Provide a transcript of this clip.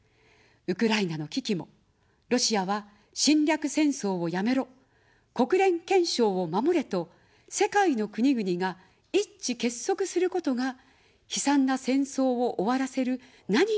ウクライナの危機も「ロシアは侵略戦争をやめろ」、「国連憲章を守れ」と世界の国々が一致結束することが、悲惨な戦争を終わらせる何よりの力です。